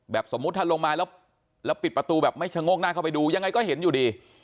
สมมุติถ้าลงมาแล้วแล้วปิดประตูแบบไม่ชะโงกหน้าเข้าไปดูยังไงก็เห็นอยู่ดี